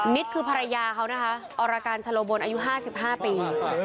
นิดคือภรรยาเขานะคะอรการชะโลบนอายุ๕๕ปี